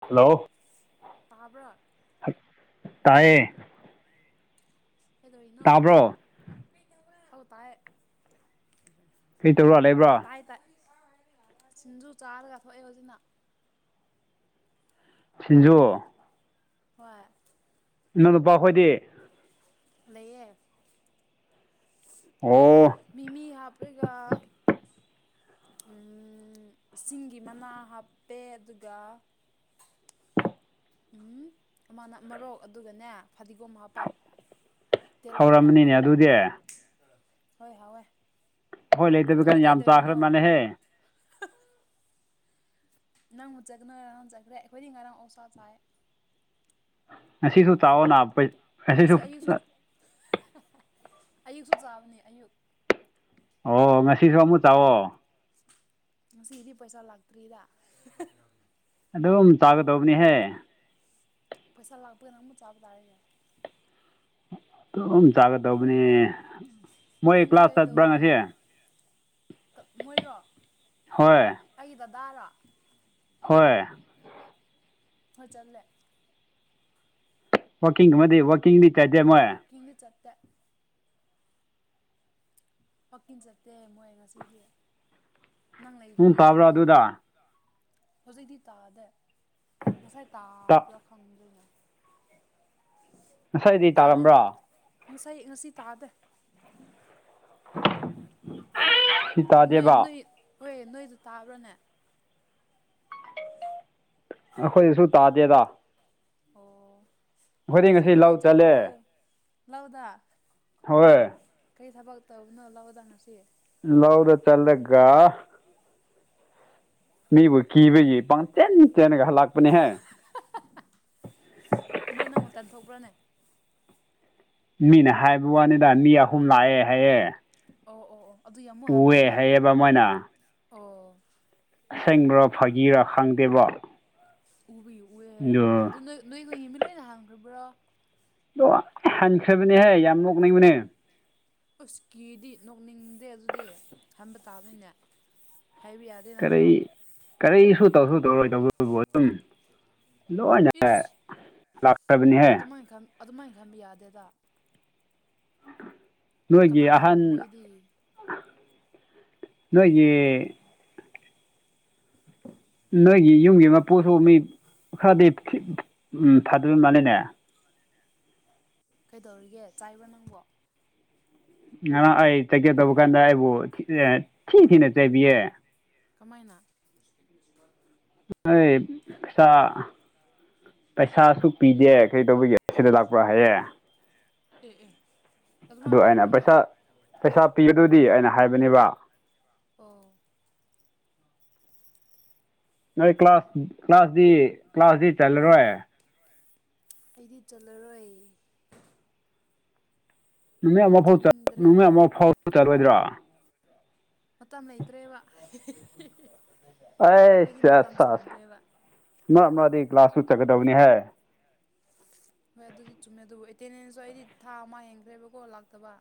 hello ꯇꯥꯕ꯭ꯔꯥ ꯇꯥꯏꯌꯦ ꯀꯩꯗꯔꯤꯅꯣ ꯇꯥꯕ꯭ꯔꯣ ꯍ ꯇꯥꯏ ꯀꯩ ꯇꯧꯔ ꯂꯩꯕ꯭ꯔꯥ ꯇꯥꯏ ꯇꯥꯏ ꯁꯤꯡꯖꯨ ꯆꯥꯔꯒ ꯊꯣꯛꯑꯦ ꯍꯧꯖꯤꯅ ꯁꯤꯖꯣ ꯍ ꯏꯅꯥꯪ ꯅꯨꯄꯥ ꯑꯩꯈꯣꯏꯗꯤ ꯂꯩꯦ ꯑꯣ ꯃꯤꯃꯤ ꯍꯥꯞꯄꯒ ꯁꯤꯡꯒꯤ ꯃꯅꯥ ꯍꯥꯞꯄꯦ ꯑꯗꯨꯒ ꯎꯝ ꯑꯃꯅ ꯑꯃꯣꯛ ꯑꯗꯨꯒꯅꯦ ꯐꯗꯤꯒꯣꯝ ꯍꯥꯞꯄ ꯇꯦꯜꯜꯍꯧꯒ ꯍꯧꯔꯝꯃꯅꯤꯅꯦ ꯑꯗꯨꯗꯤ ꯑꯩꯈꯣꯏ ꯍꯣꯏ ꯍꯣꯏ ꯑꯍꯣꯏ ꯂꯩꯇꯕꯤ ꯀꯅ ꯌꯥꯝ ꯆꯥꯈ꯭ꯔꯦ ꯃꯥꯥꯟꯅꯍꯦ ꯅꯪꯕꯨ ꯆꯠꯅ ꯉ ꯅ ꯆꯠꯈ꯭ꯔꯦ ꯑꯩꯈꯣꯏꯗꯤ ꯉꯔꯥꯡ ꯑꯣꯁꯥ ꯆꯥꯏ ꯉꯁꯤꯁꯨ ꯇꯥꯛꯑꯣ ꯅꯥ ꯑꯥ ꯑꯁꯤꯁꯨ ꯉꯁꯤ ꯑꯌꯨꯛꯁꯨ ꯑꯌꯨꯛꯁꯨ ꯆꯥꯕꯅꯤ ꯑꯌꯨꯛ ꯑꯣ ꯉꯁꯤꯁꯨ ꯑꯃꯨꯛ ꯇꯥꯛꯑꯣ ꯉꯁꯤ ꯏꯗꯤ ꯄꯩꯁꯥ ꯂꯥꯛꯇ꯭ꯔꯤꯗ ꯑꯗꯨꯝ ꯆꯥꯒꯗꯧꯕꯅꯤꯍꯦ ꯄꯩꯁꯥ ꯂꯥꯛꯄ ꯅꯝꯕ ꯆꯥꯕ ꯇꯥꯔ ꯑꯗꯨꯝ ꯆꯥꯒꯗꯧꯕꯅꯤ ꯃꯣꯏ ꯅꯪꯗꯤ ꯀ꯭ꯂꯥꯁ ꯆꯠꯄ꯭ꯔꯥ ꯉꯁꯤ ꯀꯩꯗꯧꯔꯤꯅꯣ ꯃꯣꯏꯔꯣ ꯍꯣꯏ ꯑꯩꯗꯗꯥꯔꯣ ꯍꯣꯏ ꯐꯖꯜꯂꯦ ꯋꯥꯣꯀꯤꯡ ꯃ ꯋꯥꯣꯀꯤꯡꯅꯤ ꯆꯥꯖ ꯑꯃ ꯋꯥꯛꯀꯤꯡꯗꯤ ꯆꯠꯇꯦ ꯍꯀꯤꯡ ꯆꯠꯇꯦ ꯃꯣꯏ ꯉꯁꯤꯗꯤ ꯅꯪ ꯅꯣꯡ ꯂꯩꯗꯒꯤ ꯇꯥꯕ꯭ꯔꯥ ꯆꯠꯇꯦ ꯑꯗꯨꯗ ꯍꯧꯖꯤꯛꯇꯤ ꯇꯥꯗꯦ ꯉꯁꯥꯏ ꯇꯥꯕ꯭ꯔꯥ ꯈꯪꯗꯣꯏꯅꯦ ꯉꯁꯥꯏꯗꯤ ꯁꯨꯝ ꯇꯥꯗꯦꯗ ꯇꯥꯔꯝꯕ꯭ꯔꯣ ꯉꯁꯥꯏ ꯉꯁꯤ ꯇꯥꯗ ꯁꯤꯇꯥ ꯗꯦꯕ ꯍꯣꯏꯦ ꯅꯣꯏꯗ ꯇꯥꯕ꯭ꯔꯣꯅꯦ ꯑꯩꯈꯣꯏꯁꯨ ꯇꯥꯗꯦꯗ ꯑꯣ ꯍꯣꯔꯦꯟ ꯉꯁꯤ ꯂꯥꯎ ꯆꯠꯂꯦ ꯂꯧ ꯂꯧꯗꯥ ꯍꯣꯏ ꯀꯔꯤ ꯊꯕꯛꯛꯇꯧꯅꯣ ꯂꯧꯗꯪ ꯉꯁꯤ ꯂꯧꯗ ꯆꯂꯒ ꯅꯕꯨꯣ ꯀꯕ ꯄꯥꯡ ꯆ ꯆꯅꯒ ꯂꯥꯛꯄꯅꯤꯍ ꯇꯟꯊꯣꯛꯄ꯭ꯔꯅꯦ ꯃꯤꯅꯦ ꯍꯥꯏꯕ ꯋꯥꯅꯤꯗ ꯃꯤ ꯑꯍꯨꯝ ꯂꯥꯛꯑꯦ ꯍꯥꯏꯌꯦꯦ ꯑꯣ ꯑꯣ ꯑꯣ ꯑꯗꯨ ꯌꯥꯝ ꯃꯨꯛ ꯍꯟꯕ ꯄꯨꯑꯦ ꯅꯣꯏ ꯍꯥꯏꯩꯌꯦꯕ ꯃꯣꯏꯅ ꯑꯣ ꯑꯁꯪꯕ꯭ꯔꯣ ꯐꯥꯒꯤꯔ ꯈꯪꯗꯦꯕꯣ ꯎꯕꯤꯌꯨ ꯎ ꯍꯥꯏꯔꯕꯅꯤꯅ ꯑꯗꯨ ꯅꯣꯏ ꯅꯣꯏ ꯅꯒꯤ ꯃꯤꯠꯣꯏ ꯑꯣꯏꯅ ꯍꯥꯡꯗ꯭ꯔꯕ꯭ꯔꯣ ꯍꯟꯈ꯭ꯔꯦꯕꯅꯦꯍ ꯍꯥꯏ ꯌꯥꯝ ꯂꯣꯛꯅꯩꯕꯅꯦ ꯎꯁꯀꯤꯗꯤ ꯅꯣꯛꯅꯤꯡꯗꯦ ꯑꯗꯨꯗꯤ ꯍꯕ ꯇꯥꯕꯅꯤꯅꯦ ꯍꯥꯏꯕ ꯌꯥꯗꯦ ꯅꯠꯇ꯭ꯔꯣ ꯀꯔꯤ ꯀꯔꯤ ꯁ ꯇꯧ ꯁ ꯇꯧꯔ ꯇ ꯑꯗꯨꯈꯣꯏꯕꯨ ꯑꯗꯨꯝ ꯂꯣꯏꯅ ꯏꯁ ꯂꯥꯛꯇꯕꯅꯤꯍꯦ ꯑꯗꯨꯃꯥꯏꯅ ꯈꯟ ꯑꯗꯨꯃꯥꯏꯅ ꯈꯟꯕ ꯌꯥꯗꯦꯗ ꯅꯣꯏꯒꯤ ꯀꯅꯥꯈꯥꯡ ꯑꯍꯟ ꯃꯣꯏꯗꯤ ꯅꯣꯏꯒꯤ ꯅꯣꯏꯒꯤ ꯌꯨꯝꯒꯤ ꯑꯃ ꯄꯣꯠꯊꯣꯛꯑ ꯃꯤ ꯑꯣ ꯈꯗꯤꯩ ꯎꯝ ꯊꯥꯗꯕ ꯃꯥꯂꯦꯅꯦ ꯀꯩꯗꯧꯔꯤꯒꯦ ꯆꯥꯏꯕ꯭ꯔꯥ ꯅꯪꯕꯣ ꯉ ꯑꯩ ꯆꯠꯀꯦ ꯇꯧꯕ ꯀꯥꯟꯗ ꯑꯩꯕꯨ ꯊꯤ ꯊꯤꯅ ꯆꯩꯥꯏꯕꯤꯌꯦ ꯀꯃꯥꯏꯅ [inaudible] ꯑꯦ ꯄꯩꯁꯥ ꯄꯩꯁꯥꯁꯨ ꯄꯤꯗꯦ ꯀꯔꯤ ꯇꯧꯕꯤꯒꯦ ꯁꯤꯗ ꯂꯥꯛꯄ꯭ꯔꯥ ꯍꯥꯏꯌꯦꯦ ꯑꯦ ꯑꯦ ꯑꯗꯨ ꯑꯗꯨꯃꯥꯏꯅ ꯑꯩꯅ ꯍꯥꯏꯕ꯭ꯔꯥꯅꯦ ꯄꯩꯁꯥ ꯄꯩꯁꯥ ꯄꯤ ꯑꯗꯨꯗꯤ ꯑꯩꯅ ꯍꯥꯏꯕꯅꯦꯕ ꯑꯣ ꯅꯣꯏ ꯀ꯭ꯂꯥꯁ ꯀ꯭ꯂꯥꯁꯗꯤ ꯀ꯭ꯂꯥꯁꯗꯤ ꯆꯜꯂꯔꯣꯏ ꯑꯩꯗꯤ ꯆꯠꯂꯔꯣꯏ ꯅꯨꯃꯤꯠ ꯑꯃ ꯐꯥꯎ ꯆꯠꯅꯤꯡꯗ꯭ꯔꯦ ꯅꯨꯃꯤꯠ ꯑꯃ ꯐꯥꯎ ꯆꯠꯂꯣꯏꯗ꯭ꯔꯥ ꯃꯇꯝ ꯂꯩꯇ꯭ꯔꯦꯕ ꯑꯩ ꯑꯩꯈꯣꯏꯗꯤ ꯑ ꯃꯇꯝ ꯑ ꯁꯪꯗ꯭ꯔꯦꯕ ꯅ ꯃꯥꯗꯤ ꯒ꯭ꯂꯥꯁꯁꯨ ꯆꯠꯒꯗꯕꯅꯤꯍꯦ ꯍꯣꯏ ꯑꯗꯨꯗꯤ ꯆꯨꯝꯃꯦ ꯑꯗꯨꯕꯨ ꯑꯦꯇꯦꯟꯗꯦꯟꯁꯁꯨ ꯑꯩꯗꯤ ꯊꯥ ꯑꯃ ꯌꯦꯡꯈ꯭ꯔꯦꯕꯀꯣ ꯂꯥꯛꯇꯕ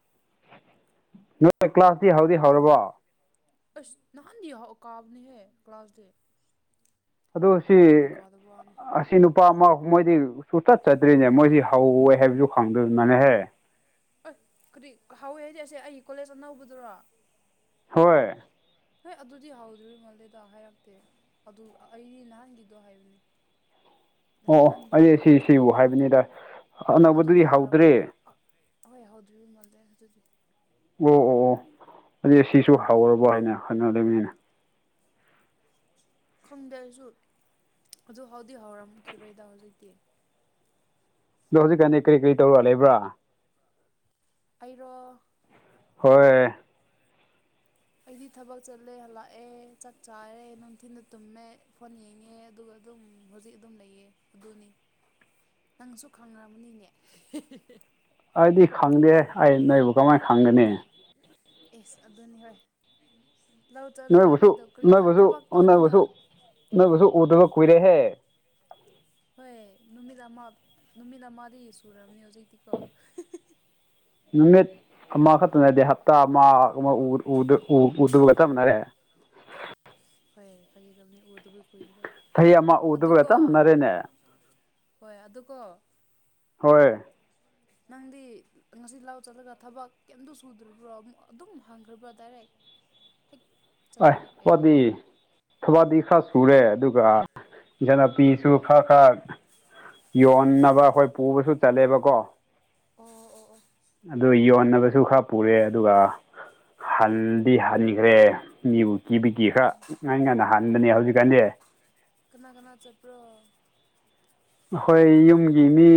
ꯅꯣꯏ ꯀ꯭ꯂꯥꯁꯇꯤ ꯍꯧꯗꯤ ꯑꯗꯨꯒꯤ ꯍꯧꯔꯕꯣ ꯑꯁ ꯅꯍꯥꯗꯤꯌꯥ ꯑꯣ ꯀꯥꯕꯅꯦ ꯍꯥꯏꯦ ꯀ꯭ꯂꯥꯁ ꯗ ꯑꯗꯨ ꯁꯤ ꯋꯥꯅꯤ ꯑꯁꯤ ꯅꯨꯄꯥ ꯑꯃꯨꯝꯍꯣꯏꯗꯤ ꯁꯨꯊꯠ ꯆꯗ꯭ꯔꯤꯅꯦ ꯃꯣꯏꯁꯤ ꯍꯧꯋꯣꯏ ꯍꯥꯏꯕꯁꯨ ꯈꯪꯗꯕꯅꯅꯦꯍꯦ ꯑꯁ ꯀꯗꯤ ꯍꯥꯎꯋꯦ ꯍꯥꯏꯗꯤ ꯑꯁꯦ ꯑꯩ ꯀꯣꯂꯦꯖ ꯑꯅꯧꯕꯗꯨꯔꯣ ꯍꯣꯏ ꯍꯣꯏ ꯑꯗꯨꯗꯤ ꯍ ꯍꯧꯥꯎꯗꯣ ꯃꯥꯜꯂꯦꯗ ꯍꯥꯏꯔꯛꯇꯦ ꯑꯗꯨ ꯑꯩꯗꯤ ꯅꯍꯥꯟꯒꯤꯗꯣ ꯍꯥꯏꯕꯅꯦ ꯑꯣ ꯅꯍꯥꯟ ꯑꯣ ꯑꯍꯥꯟꯕꯒꯤ ꯑꯩ ꯁꯤ ꯀꯣꯂꯦꯖꯇꯣ ꯁꯤꯕꯨ ꯍꯥꯏꯕꯅꯤꯗ ꯑꯅꯧꯕꯗꯨꯗꯤ ꯍꯧꯗ꯭ꯔꯦ ꯍꯧꯗ꯭ꯔꯤꯕ ꯃꯥꯜꯂꯦ ꯑꯗꯨꯗꯤ ꯑꯣ ꯑꯣ ꯑꯣ ꯑꯗꯨꯗꯤ ꯑꯁꯤꯁꯨ ꯍꯧꯥꯎꯔꯕ ꯍꯥꯏꯅ ꯈꯟꯅꯗꯅꯤꯅꯦ ꯈꯪꯗ꯭ꯔꯁꯨ ꯑꯗꯨ ꯍꯥꯎꯗꯤꯤ ꯍꯧꯥꯎꯔꯝꯈꯤꯔꯣꯏꯗ ꯍꯧꯖꯤꯛꯇꯤ ꯑꯗꯣ ꯍꯧꯖꯤꯛꯀꯥꯟꯗꯤ ꯀꯔꯤ ꯀꯔꯤ ꯇꯧꯔꯛ ꯂꯩꯕ꯭ꯔꯥ ꯑꯔꯣ ꯍꯣꯏ ꯑꯩꯗꯤ ꯊꯕꯛ ꯆꯠꯂꯦ ꯍꯜꯂꯛꯑꯦ ꯆꯥꯛ ꯆꯥꯔꯦ ꯅꯨꯡꯊꯤꯗ ꯇꯨꯝꯃꯦ ꯐꯣꯟ ꯌꯦꯡꯉꯦ ꯑꯗꯨꯒ ꯑꯗꯨꯝ ꯍꯧꯖꯤꯛ ꯑꯗꯨꯝ ꯂꯩꯌꯦ ꯑꯗꯨꯗꯅꯤ ꯅꯪꯁꯨ ꯈꯪꯕꯅꯤꯅꯦ ꯑꯩꯗꯤ ꯈꯪꯗꯦ ꯑꯩ ꯅꯣꯏꯕꯨ ꯀꯃꯥꯏꯅ ꯈꯪꯒꯅꯤ ꯑꯦꯁ ꯑꯗꯨꯅꯤ ꯍꯣꯏ ꯂꯧ ꯅꯣꯏ ꯆꯠꯂꯒ ꯕꯨꯁꯨ ꯀꯩꯗꯧ ꯀꯔꯤ ꯅꯣꯏ ꯕꯨꯁꯨꯨ ꯊꯕꯛ ꯅꯣꯏ ꯇꯧꯗꯨꯅ ꯕꯨꯁꯨ ꯅꯣꯏ ꯕꯨꯁꯨ ꯎꯗꯨꯒ ꯀꯨꯏꯔꯦꯍꯦ ꯍꯣꯏ ꯅꯨꯃꯤꯠ ꯑꯃ ꯅꯨꯃꯤꯠ ꯑꯃꯗꯤ ꯁꯨꯔꯕꯅꯤ ꯍꯧꯖꯤꯛꯇꯤꯀꯣ ꯎꯃꯦ ꯑꯥ ꯈꯗꯦ ꯍꯥꯞꯇꯥ ꯑꯃ ꯎꯗꯒ ꯊ ꯃꯅꯔꯦ ꯍ ꯍꯣꯏ ꯐꯒꯤꯗꯕ ꯃꯤ ꯎꯗꯕꯨ ꯀꯨꯏꯈ꯭ꯔꯦ ꯆꯍꯤ ꯑꯃ ꯎꯗꯕꯒ ꯆꯞ ꯑꯗꯨꯒꯀꯣ ꯃꯥꯟꯅꯔꯦꯅꯦ ꯍꯣꯏ ꯑꯗꯨꯀꯣ ꯍꯣꯏ ꯅꯪꯗꯤ ꯉꯁꯤ ꯂꯥꯎ ꯆꯠꯂꯒ ꯊꯕꯛ ꯀꯔꯤꯝꯇ ꯁꯨꯗ꯭ꯔꯤꯕ꯭ꯔꯣ ꯑꯗꯨꯝ ꯍꯪꯈ꯭ꯔꯕ꯭ꯔꯣ ꯗꯥꯏꯔꯦ ꯎꯝ ꯎꯝ ꯑꯕꯗꯤ ꯊꯕꯥꯗꯤ ꯁꯠ ꯁꯨꯔꯦ ꯑꯗꯨꯒ ꯏꯖꯟꯅꯄꯤꯁꯨ ꯈꯔ ꯈꯔ ꯌꯣꯟꯅꯕ ꯑꯩꯈꯣꯏ ꯄꯨꯕꯁꯨ ꯆꯠꯂꯦꯕꯀꯣ ꯑꯣ ꯑꯣ ꯑꯣ ꯑꯗꯨ ꯌꯣꯟꯅꯕꯁꯨ ꯈꯔ ꯄꯨꯔꯦ ꯑꯗꯨꯒ ꯍꯟꯗꯤ ꯍꯟꯈ꯭ꯔꯦ ꯃꯤꯕꯨ ꯀꯤꯕꯤ ꯀ ꯈꯔ ꯑꯣ ꯉꯥꯏ ꯉꯥꯏꯅ ꯍꯟꯥꯟꯕꯅꯦ ꯍꯧꯖꯤꯛꯀꯥꯟꯗꯤ ꯀꯅꯥ ꯀꯅꯥ ꯆꯠꯄ꯭ꯔꯣ ꯑꯩꯈꯣꯏ ꯌꯨꯝꯒꯤ ꯃꯤ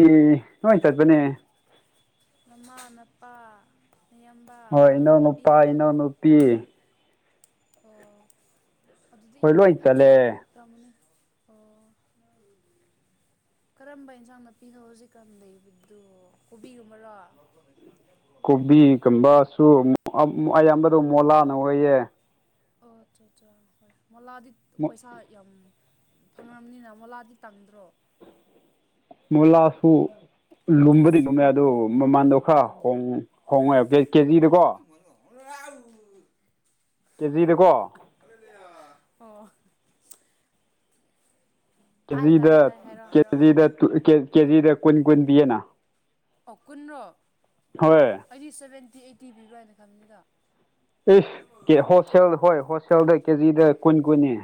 ꯂꯣꯏ ꯆꯠꯄꯅꯦ ꯃꯃꯥ ꯃꯄꯥ ꯍꯣꯏ ꯏꯅꯧ ꯅꯨꯄꯥ ꯏꯅꯧ ꯅꯨꯄꯤ ꯑꯣ ꯑꯗꯨꯗꯤ ꯍꯣꯏ ꯂꯣꯏ ꯌꯥꯝꯌꯥꯝ ꯆꯠꯂꯦ ꯄꯨꯔꯥꯒꯅꯤ ꯇꯥꯃꯅꯦ [unintelligible] ꯀꯔꯝꯕ ꯏꯟꯁꯥꯡꯅ ꯄꯤꯊꯣ ꯍꯧꯖꯤꯛꯀꯥꯟ ꯂꯩꯕꯗꯣ ꯀꯣꯕꯤꯒꯨꯝꯕꯔꯣ ꯀꯣꯕꯤꯒꯨꯝꯕꯁꯨ ꯑꯌꯥꯝꯕꯗꯣ ꯃꯣꯂꯥꯅ ꯑꯣꯏꯌꯦ ꯑꯣ ꯑꯆꯥ ꯑꯆꯥ ꯍꯣꯏ ꯃ ꯂ ꯑꯗꯤ ꯄꯩꯁꯥ ꯌꯥꯝ ꯐꯪꯉꯕꯅꯤꯅ ꯃꯣꯂꯥꯗꯤ ꯇꯪꯗ꯭ꯔꯣ ꯃꯂꯁꯨꯨ ꯂꯨꯝꯕꯗꯤ ꯂꯨꯝꯃꯦ ꯑꯗꯨ ꯃꯃꯥꯟꯗꯣ ꯈꯔꯣꯡ ꯍꯣꯡꯉꯦꯕ ꯀꯦꯖꯤꯗꯀꯣ ꯑꯣ ꯀꯦꯖꯤꯗꯀꯣ ꯑꯣ ꯇꯥꯏ ꯇꯥꯏ ꯇꯥꯏ ꯍꯥꯏꯔꯣ ꯍꯥꯏꯔꯣ ꯀꯦꯗꯦꯗ ꯀꯦꯖꯤꯗ ꯀꯨꯟ ꯀꯨꯟ ꯄꯤꯑꯅ ꯑꯣ ꯀꯨꯟ꯭ꯔꯣ ꯑꯩꯗꯤ ꯁꯕꯦꯟꯇꯤ ꯑꯩꯠꯇꯤ ꯄꯤꯕ꯭ꯔꯥ ꯍꯥꯏꯅ ꯈꯪꯕꯅꯤꯗ ꯏꯁ ꯍꯣꯜꯁꯦꯜ ꯍꯣꯏ ꯍꯣꯜꯁꯦꯜꯗ ꯀꯦꯖꯤꯗ ꯀꯨꯟ ꯀꯨꯟꯅꯤ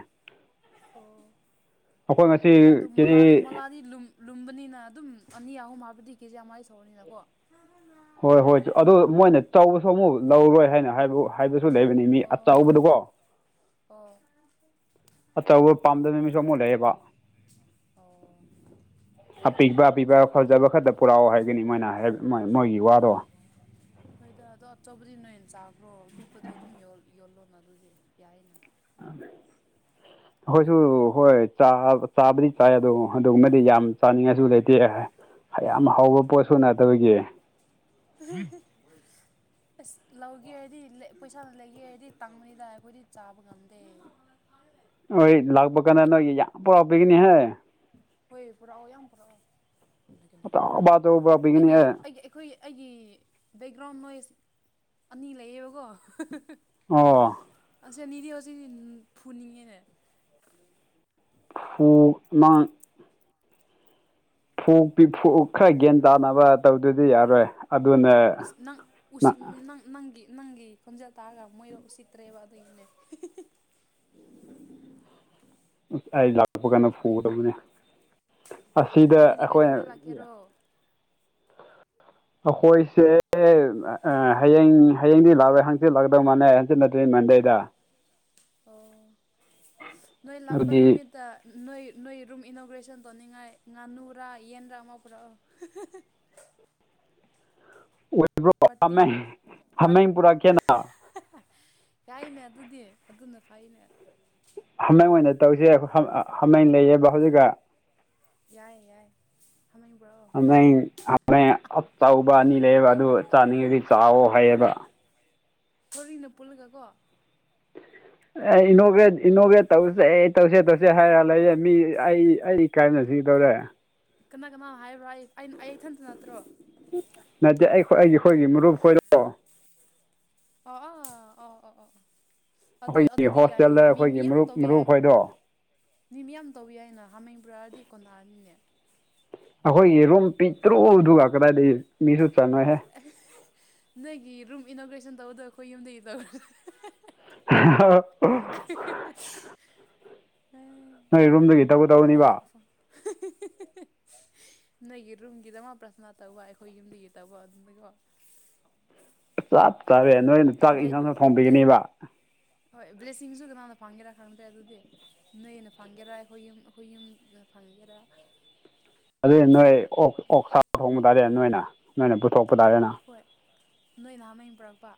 ꯑꯣ ꯑꯣ ꯑꯩꯈꯣꯏ ꯉꯁꯤ ꯍꯣꯏꯗ ꯑꯗꯣ ꯀꯦꯖꯤ ꯃꯣꯂꯥꯗꯤ ꯃꯣꯂꯥꯗꯤ ꯂꯨꯝ ꯂꯨꯝꯕꯅꯤꯅ ꯑꯗꯨꯝ ꯑꯅꯤ ꯑꯍꯨꯝ ꯍꯥꯏꯕꯗꯤ ꯀꯦꯖꯤ ꯌꯥꯝꯃꯥꯏ ꯁꯧꯔꯅꯤꯅꯀꯣ ꯍꯣꯏ ꯍꯣꯏ ꯑꯗꯨ ꯃꯣꯏꯅ ꯆꯥꯎꯧꯕꯁꯨ ꯑꯃꯨꯛ ꯂꯧꯔꯣꯏ ꯍꯥꯏꯅ ꯍꯥꯏꯕ ꯍꯥꯏꯕ ꯁꯨ ꯂꯩꯕꯅꯤ ꯃꯤ ꯑꯣ ꯑꯆꯕꯗꯀꯣ ꯑꯣ ꯑꯆꯧꯕ ꯄꯥꯝꯗꯕ ꯅꯨꯃꯤꯁꯨ ꯑꯃꯨꯛ ꯂꯩꯛꯑꯦꯕ ꯑꯣ ꯑꯄꯤꯕ ꯑꯄꯤꯕ ꯐꯖꯕ ꯈꯔꯛꯇ ꯄꯨꯔꯛꯑꯣ ꯍꯥꯏꯒꯅꯤ ꯃꯣꯏꯅꯣꯏ ꯃꯣꯏꯒꯤ ꯋꯥꯗꯣ ꯍꯣꯏꯗ ꯑꯗꯣ ꯑꯆꯧꯕꯗꯤ ꯅꯣꯏꯅ ꯆꯥꯈ꯭ꯔꯣ ꯑ ꯄꯤꯛꯄꯗꯣ ꯑꯗꯨꯝ ꯌꯣꯜꯂꯣꯅ ꯑꯗꯨꯗꯤ ꯌꯥꯏꯅ ꯑ ꯑꯩꯈꯣꯏꯁꯨ ꯍꯣꯏ ꯆꯥꯕꯗꯤ ꯆꯥꯏ ꯑꯗꯣ ꯑꯗꯨꯒꯨꯝꯃꯗꯤ ꯌꯥꯝ ꯆꯥꯅꯤꯡꯉꯥꯏꯁꯨ ꯂꯩꯇꯦ ꯌꯥꯝꯌꯥꯝ ꯍꯥꯎꯕ ꯄꯣꯠꯁꯨ ꯅꯗꯕꯒꯤ ꯑꯁ ꯂꯧꯒꯦ ꯍꯥꯏꯔꯗꯤ ꯄꯩꯁꯥꯅ ꯂꯩꯒꯦ ꯍꯥꯏꯔꯗꯤ ꯇꯪꯉꯣꯏꯗ ꯑꯩꯈꯣꯏꯗꯤ ꯆꯥꯕ ꯉꯝꯗꯦ ꯍꯣꯏ ꯂꯥꯛꯄ ꯀꯥꯟꯗ ꯅꯣꯏꯒꯤ ꯌꯥꯝ ꯄꯨꯔꯥꯎꯞꯄꯒꯤꯅꯤꯍꯦ ꯍꯣꯏ ꯄꯨꯔꯛꯑꯣ ꯌꯥꯝ ꯄꯔꯛꯑꯣ ꯑꯥ ꯑꯇꯥꯎꯕꯆꯧꯕ ꯄꯤꯒꯅꯤꯍꯦ ꯑꯩꯈꯣꯏ ꯑꯩꯒꯤ ꯕꯦꯛꯒ꯭ꯔꯥꯎꯟ ꯅꯣꯏꯁ ꯑꯅꯤ ꯂꯩꯌꯦꯕꯀꯣ ꯑ ꯑꯁ ꯑꯅꯤꯗꯤ ꯍꯧꯖꯤꯛ ꯐꯨꯅꯤꯡꯉꯦꯅꯦ ꯍꯣ ꯃꯥ ꯐꯨꯄꯤ ꯐꯨ ꯈꯔ ꯒ꯭ꯌꯥꯟ ꯇꯥꯅꯕ ꯇꯧꯗꯨꯗꯤ ꯌꯥꯔꯣꯏ ꯑꯗꯨꯅ ꯅꯪ ꯎꯁꯤ ꯅꯪ ꯅꯪꯒꯤ ꯅꯪꯒꯤ ꯈꯣꯟꯝꯖꯦꯜ ꯇꯥꯔꯒ ꯃꯣꯏꯔ ꯎꯁꯤꯠꯇ꯭ꯔꯦꯕ ꯑꯗꯨꯒꯤꯅꯦ ꯑ ꯑꯩ ꯂꯥꯛꯄ ꯀꯥꯟꯗ ꯐꯨꯒꯗꯕꯅꯦ ꯑꯁꯤꯗ ꯅꯣꯏꯗꯤ ꯑꯩꯈꯣꯏꯅ ꯀꯩꯗꯧꯉꯩ ꯂꯥꯛꯀꯦꯔꯣ ꯑꯩꯈꯣꯏꯁꯦ ꯍꯌꯦꯡ ꯍꯌꯦꯡꯗꯤ ꯂꯥꯛꯂꯣꯏ ꯍꯪꯆꯤꯠ ꯂꯥꯛꯀꯗꯧ ꯃꯥꯟꯅꯦ ꯍꯪꯆꯤꯠ ꯅꯗꯔꯤ ꯃꯟꯗꯩꯗ ꯑꯣ ꯅꯣꯏ ꯂꯥꯛꯄ ꯑꯗꯨꯗꯤ ꯅꯨꯃꯤꯠꯇ ꯅꯣꯏ ꯅꯣꯏ ꯔꯨꯝ ꯏꯅꯣꯒ꯭ꯔꯦꯁꯟ ꯇꯧꯅꯤꯡꯉꯥꯏ ꯉꯥꯅꯨꯔꯥ ꯌꯦꯟꯕ꯭ꯔꯥ ꯑꯃ ꯄꯨꯔꯛꯑꯣ [inaudible] ꯑꯣꯏꯕ꯭ꯔꯣ ꯄꯠꯇꯤ ꯍꯥꯃꯦꯡ ꯄꯥꯠ ꯍꯥꯃꯦꯡ ꯄꯨꯔꯛꯀꯦꯅ ꯌꯥꯏꯅꯦ ꯑꯗꯨꯗꯤ ꯑꯗꯨꯅ ꯐꯥꯏꯅꯦ ꯍꯥꯃꯦꯡ ꯑꯣꯏꯅ ꯇꯧꯁꯦ ꯍꯥꯃꯦꯡ ꯂꯩꯌꯦꯕ ꯍꯧꯖꯤꯛꯀ ꯌꯥꯏ ꯌꯥꯏ ꯍꯥꯃꯦꯡ ꯄꯨꯔꯛꯑꯣ ꯍꯥꯃꯦꯡ ꯍꯥꯃꯦꯡ ꯑꯆꯧꯕ ꯑꯅꯤ ꯂꯩꯕ ꯑꯗꯨ ꯆꯥꯅꯤꯡꯗꯤ ꯆꯥꯑꯣ ꯍꯥꯏꯌꯦ ꯇꯔꯤ [inaudible] ꯀꯣꯔꯤꯅ ꯄꯨꯜꯂꯒ ꯀꯣ ꯑꯦ ꯏꯅꯣꯒꯦꯠ ꯏꯅꯣꯒꯦꯠ ꯇꯧꯁꯦ ꯑꯩ ꯇꯧꯁꯦ ꯇꯧꯁꯦ ꯍꯥꯏꯔ ꯂꯩꯌꯦꯦ ꯃꯤ ꯑꯩ ꯑꯩ ꯏꯀꯥꯏꯕꯅ ꯁꯤꯗꯧꯔꯦ ꯀꯅ ꯀꯅꯥ ꯍꯥꯏꯕ꯭ꯔꯣ ꯑꯩ ꯑꯩ ꯏꯊꯟꯇ ꯅꯠꯇ꯭ꯔꯣ ꯅꯠꯇꯦ ꯑꯩ ꯑꯩꯒꯤ ꯑꯩꯈꯣꯏꯒꯤ ꯃꯔꯨꯞ ꯈꯣꯏꯔꯣ ꯑꯣ ꯑꯣ ꯑꯣ ꯑꯣ ꯑꯣ ꯑꯗꯨ ꯑꯩꯈꯣꯏꯒꯤ ꯑꯗꯨꯗꯤ ꯍꯣꯁꯇꯦꯜꯗ ꯌꯥꯏꯅꯦ ꯃꯤ ꯑꯩꯈꯣꯏꯒꯤ ꯃꯤꯌꯥꯝ ꯃꯔꯨꯞ ꯇꯧꯕ ꯌꯥꯏ ꯃꯔꯨꯞ ꯍꯥꯏꯗꯣ ꯃꯤ ꯌꯥꯝ ꯇꯧ ꯌꯥꯏꯅ ꯍꯥꯃꯩ ꯕ꯭ꯔꯥꯔꯗꯤ ꯀꯣꯟꯊꯥꯔꯅꯤꯅꯦ ꯑꯩꯈꯣꯏꯒꯤ ꯔꯨꯝ ꯄꯤꯛꯇ꯭ꯔꯨ ꯑꯗꯨꯒ ꯀꯗꯥꯏꯗꯒꯤ ꯃꯤꯁꯨ ꯆꯠꯟꯅꯣꯏꯍꯦ ꯅꯪꯒꯤ ꯔꯨꯝ ꯏꯅꯣꯒ꯭ꯔꯦꯁꯟ ꯇꯧꯗ ꯑꯩꯈꯣꯏ ꯌꯨꯝꯗꯒꯤ ꯇꯧꯔ ꯍ ꯍꯥ ꯍꯥ ꯑꯍꯦ ꯑꯍꯦ ꯍ ꯅꯣꯏ ꯔꯨꯝꯗꯒꯤ ꯐꯝꯂ ꯇꯧꯒꯗꯧꯕꯅꯤꯕ ꯅꯣꯏꯒꯤ ꯔꯨꯝꯒꯤꯗ ꯑꯃ ꯄ꯭ꯔꯊꯅꯥ ꯇꯧꯕ ꯑꯩꯈꯣꯏ ꯌꯨꯝꯗꯒꯤ ꯇꯧꯕ ꯑꯗꯨꯝꯅꯤꯀꯣ ꯆꯞ ꯆꯥꯔꯦ ꯅꯣꯏꯅ ꯆꯥꯛ ꯏꯟꯁꯥꯡꯅ ꯊꯣꯡꯕꯤꯒꯅꯦꯕ ꯍꯣꯏ ꯕ꯭ꯂꯦꯁꯤꯡꯁꯨ ꯀꯅꯥꯅ ꯐꯪꯒꯦꯔꯥ ꯈꯪꯗ꯭ꯔꯦ ꯑꯗꯨꯗꯤ ꯅꯣꯏꯩꯅ ꯐꯪꯒꯦꯔ ꯑꯩꯈꯣꯏ ꯌꯨꯝ ꯑꯩꯈꯣꯏ ꯌꯨꯝ ꯂꯩꯒꯔ [unintelligible] ꯑꯗꯨꯗꯤ ꯅꯣꯏ ꯑꯣ ꯑꯣꯛ ꯁꯥꯥ ꯊꯣꯡꯕ ꯇꯥꯔꯦ ꯅꯣꯏꯅ ꯅꯣꯏꯅ ꯄꯨꯊꯣꯛꯄ ꯇꯥꯔꯦ ꯅ ꯅꯣꯏ ꯅꯍꯥ ꯃꯨꯝ ꯄꯨꯔꯛꯄ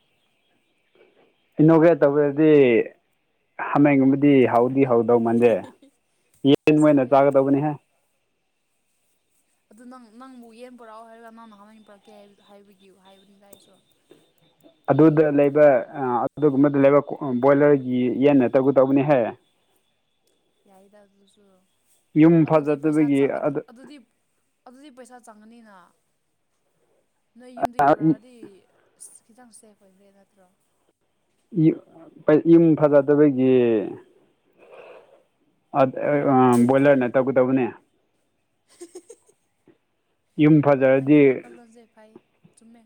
ꯏꯅꯣꯒ꯭ꯔꯦꯠ ꯇꯧꯗꯤ ꯍꯥꯃꯦꯡꯒꯨꯝꯕꯗꯤ ꯍꯥꯃꯦꯡ ꯆꯥꯕ ꯍꯥꯎꯗꯤ ꯌꯥꯗꯦ ꯍꯧꯗꯧ ꯃꯟꯗꯦ ꯌꯦꯟ ꯏꯁ ꯃꯣꯏ ꯑꯣꯏꯅ ꯍꯥꯎꯋꯦꯗ ꯆꯥꯒꯗꯧꯕꯅꯤꯍꯦ ꯑꯗꯨ ꯅꯪ ꯅꯪꯕꯨ ꯌꯦꯟ ꯄꯨꯔꯛꯑꯣ ꯍꯥꯏꯔꯒ ꯅꯪꯅ ꯍꯃꯟ ꯄꯨꯔꯛꯀꯦ ꯍꯥꯏ ꯍꯥꯏꯕꯒꯤ ꯍꯥꯏꯕꯅꯤ ꯇ ꯑꯩꯁꯨ ꯎꯝ ꯑꯗꯨꯗ ꯂꯩꯕ ꯑꯗꯨꯒꯨꯝꯕꯗ ꯂꯩꯕ ꯕꯣꯏꯂꯔꯒꯤ ꯌꯦꯟ ꯅ ꯇꯧꯒ ꯇꯧꯕꯅꯤꯍ ꯎ ꯌꯥꯏꯗ ꯑꯗꯨꯁꯨ ꯑꯗꯨꯗꯤ ꯄꯩꯁꯥ ꯐꯖꯗꯕꯒꯤ ꯑꯗꯨ ꯑꯗꯨꯗꯤ ꯑꯗꯨꯗꯤ ꯄꯩꯁꯥ ꯆꯪꯒꯅꯤꯅ ꯅꯣꯏ ꯌꯨꯝꯗꯒꯤ ꯄꯨꯔꯛꯑꯗꯤ ꯑꯁ ꯈꯤꯇꯪꯁꯦ ꯑꯣꯏꯕ꯭ꯔ ꯅꯠꯇ꯭ꯔꯣ ꯌꯨꯝ ꯐꯖꯗꯕꯒꯤ ꯑ ꯏꯅꯣꯒ꯭ꯔꯦꯁꯟ ꯇꯧꯋꯤ ꯕꯣꯏꯂꯔꯅꯦ ꯀꯥꯏꯌꯦ ꯇꯧꯒ ꯇꯧꯅꯦ [unintelligible] ꯌꯨꯝ ꯐꯖꯔꯗꯤ ꯅꯪꯒꯤ ꯋꯥꯈꯜꯂꯣꯟꯁꯦ ꯐꯩ ꯆꯨꯝꯃꯦ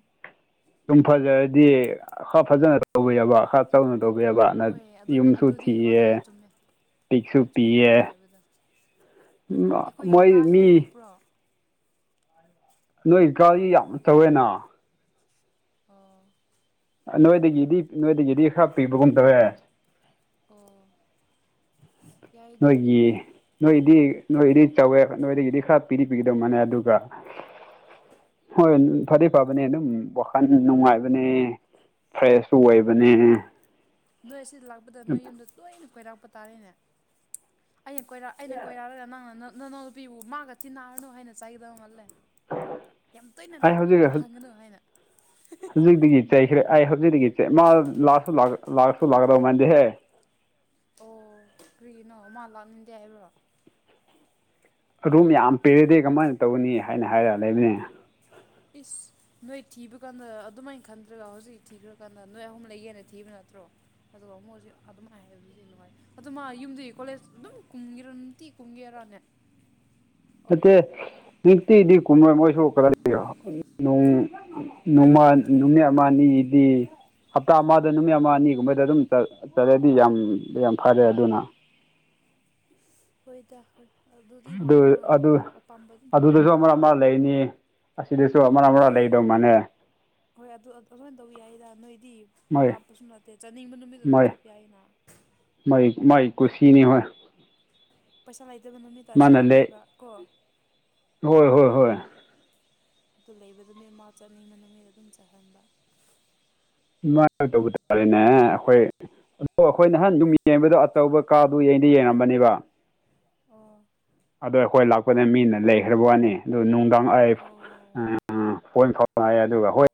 ꯁꯨꯝ ꯐꯖꯔꯗꯤ ꯈ ꯐꯖꯅ ꯇꯧꯕ ꯌꯥꯕ ꯈꯥ ꯆꯥꯎꯅ ꯇꯧꯕ ꯑꯕꯅ ꯍꯣꯏ ꯑꯗꯨꯗꯤ ꯌꯨꯝꯁꯨ ꯑꯗꯨꯗꯤ ꯊꯤꯌꯦ ꯑꯗꯨꯗꯤ ꯆꯨꯝꯃꯦ ꯄꯤꯛꯁꯨ ꯍꯣꯏ ꯆꯨꯝꯃꯦꯅꯣ ꯄꯤꯌꯦ ꯍꯥꯏꯕꯗ ꯃꯣꯏ ꯃꯤ ꯅꯣꯏꯒꯥꯥꯔꯤ ꯌꯥꯝ ꯇꯧꯋꯦꯅ ꯑꯣ ꯅꯣꯏꯗꯒꯤꯗꯤ ꯅꯣꯏꯗꯒꯤꯗꯤ ꯈꯔ ꯄꯤꯕꯒꯨꯝ ꯇꯧꯔꯦ ꯑꯣ ꯌꯥꯏꯗ ꯑꯩꯣꯏꯒꯤ ꯅꯣꯏꯗꯤ ꯅꯣꯏꯗꯤ ꯆꯥꯎꯧꯋꯦ ꯅꯣꯏꯗꯒꯤꯗꯤ ꯈꯔ ꯄꯤꯔꯤ ꯄꯤꯒꯗꯧ ꯃꯥꯅꯦ ꯑꯗꯨꯒ ꯍꯣꯏ ꯐꯗꯤ ꯐꯕꯅꯦ ꯑꯗꯨꯝ ꯋꯥꯈꯜ ꯅꯨꯡꯉꯥꯏꯕꯅꯦ ꯐ꯭ꯔꯦꯁꯁꯨ ꯎꯝ ꯑꯣꯏꯕꯅꯦ ꯅꯣꯏ ꯑꯁꯤ ꯂꯥꯛꯄꯗ ꯅꯣꯏ ꯌꯨꯝꯗ ꯇꯣꯏꯅ ꯀꯣꯏꯔꯥꯛꯄ ꯇꯥꯔꯤꯅꯦ ꯑꯩꯅ ꯀꯣꯏꯔ ꯑꯩꯅ ꯀꯣꯏꯔꯥꯛꯂꯒ ꯅꯪ ꯅ ꯅ ꯅ ꯅꯪ ꯅꯨꯄꯤꯕꯨ ꯃꯥꯒ ꯆ ꯊꯤꯟꯅꯅꯥꯔꯅꯨ ꯍꯥꯏꯅ ꯆꯥꯏꯒꯗꯧ ꯃꯥꯜꯂꯦ ꯌꯥꯝ ꯇꯣꯏꯅ ꯑꯩ ꯍꯧꯖꯤꯛ ꯂꯥꯛꯍꯥꯡꯒꯅꯨ ꯍꯥꯏꯅ ꯍꯧꯖꯤꯛꯇꯒꯤ ꯆꯩꯈ꯭ꯔꯦ ꯑꯩ ꯍꯧꯖꯤꯛꯗꯒꯤꯁꯦ ꯃꯥ ꯂꯥꯛꯑꯁꯨꯥꯛ ꯂꯥꯛꯁꯨ ꯂꯥꯛꯀꯗꯧ ꯃꯗꯤꯍꯦ ꯑꯣ ꯀꯔꯤꯒꯤꯅꯣ ꯃꯥ ꯂꯥꯛꯅꯤꯡꯗꯦ ꯍꯥꯏꯕ꯭ꯔꯣ ꯑꯗꯨꯝ ꯌꯥꯝ ꯄꯦꯔꯗꯤ ꯀꯃꯥꯏꯅ ꯇꯧꯅꯤ ꯍꯥꯏꯅ ꯍꯥꯏꯔꯛ ꯂꯩꯕꯅꯦ ꯏꯁ ꯅꯣꯏ ꯊꯤꯕ ꯀꯥꯟꯗ ꯑꯗꯨꯃꯥꯏꯅ ꯈꯟꯗ꯭ꯔꯒ ꯍꯧꯖꯤꯛ ꯊꯤꯈ꯭ꯔꯀꯥꯟꯗ ꯅꯣꯏ ꯑꯍꯨꯝ ꯂꯩꯒꯦꯅ ꯊꯤꯕꯅꯤ ꯅꯠꯇ꯭ꯔꯣ ꯑꯗꯨꯒ ꯃꯛꯁꯨ ꯑꯗꯨꯃꯥꯏ ꯍꯥꯏ ꯑꯗꯨꯗꯤ ꯅꯨꯡꯉꯥꯏ ꯑꯗꯨ ꯃꯥ ꯌꯨꯝꯗꯤ ꯀꯣꯂꯦꯖ ꯑꯗꯨꯝ ꯀꯨꯝꯦꯔꯗꯤꯤ ꯀꯨꯝꯒꯦꯔ ꯅꯦ ꯑꯠꯇ ꯃꯤ ꯇꯇꯤꯗꯤ ꯀꯨꯝꯔꯣꯏ ꯃꯣꯏꯁꯨ ꯀꯗꯥꯏ ꯂꯩꯌꯣ ꯅꯨꯡ ꯅꯨꯃ ꯅꯨꯃꯤꯠ ꯑꯃꯅꯤꯅꯤꯗꯤ ꯍꯞꯇꯥ ꯑꯃꯗ ꯅꯨꯃꯤꯠ ꯑꯃ ꯑꯅꯤꯒꯨꯝꯕꯗ ꯑꯗꯨꯝ ꯆꯠꯂꯦꯗꯤ ꯌꯥꯝ ꯌꯥꯝ ꯐꯔꯦ ꯑꯗꯨꯅ ꯍꯣꯏꯗ ꯍꯣꯏ ꯑꯗꯨꯗꯤ ꯃꯥ ꯑꯗꯨ ꯃꯥꯅ ꯑꯗꯨ ꯑꯄꯥꯝꯕ ꯑꯗꯨꯝ ꯑꯗꯨꯗꯁꯨ ꯑꯃ ꯇꯧꯍꯜꯂꯣꯑꯣꯗꯀꯣ ꯑꯃ ꯂꯩꯅꯤ ꯑꯁꯤꯗꯁꯨ ꯃꯔꯥꯡ ꯃꯔꯥꯡ ꯂꯩꯗꯧ ꯃꯥꯅꯦ ꯍꯣꯏ ꯑꯗꯨ ꯑꯁꯃꯥꯏꯅ ꯇꯧꯕ ꯌꯥꯏꯗ ꯅꯣꯏꯗꯤ ꯃꯣꯏ ꯂꯥꯞꯄꯁꯨ ꯅꯠꯇꯦ ꯆꯥꯅꯤꯡꯕ ꯅꯨꯃꯤꯠꯇ ꯑꯗꯨꯝ ꯆꯠꯄ ꯌꯥꯏꯅ ꯃꯥꯏ ꯃꯥꯥꯏ ꯀ ꯁꯤꯅꯤ ꯍꯥꯏ ꯄꯩꯁꯥ ꯂꯩꯇꯕ ꯅꯨꯃꯤꯠꯇ ꯑꯁꯤꯗ ꯂꯩ ꯂꯩꯕ ꯀꯣ ꯍꯣꯏ ꯍꯣꯏ ꯍꯣꯏ ꯑꯗꯨ ꯂꯩꯕꯗꯨ ꯃꯤ ꯃꯥꯎ ꯆꯠꯅꯤꯡꯕ ꯅꯨꯃꯤꯗ ꯑꯗꯨꯝ ꯆꯠꯍꯟꯕ ꯑꯗꯨꯃꯥꯏꯅ ꯇꯧꯕ ꯇꯥꯔꯦꯅꯦ ꯑꯩꯈꯣꯏ ꯑꯗꯣ ꯑꯩꯈꯣꯏ ꯅꯍꯥꯟ ꯌꯨꯝ ꯌꯦꯡꯕꯗꯣ ꯑꯆꯧꯕ ꯀꯥꯗꯨ ꯌꯦꯡꯗ ꯂꯩꯔꯝꯕꯅꯦꯕ ꯑꯣ ꯑꯗꯣ ꯑꯩꯈꯣꯏ ꯂꯥꯛꯄꯗ ꯃꯤꯅ ꯂꯩꯈ꯭ꯔꯕ ꯋꯥꯅꯤ ꯑꯗꯨ ꯅꯨꯡꯗꯥꯡ ꯑꯩ ꯑꯣ ꯄꯣꯏꯟ ꯐꯥꯎ ꯉꯥꯏ ꯑꯗꯨꯒ ꯍꯣꯏ